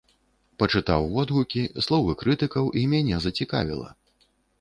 Пачытаў водгукі, словы крытыкаў і мяне зацікавіла.